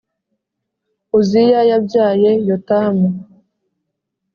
Uziya yabyaye Yotamu,